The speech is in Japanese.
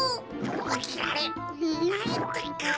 おきられないってか。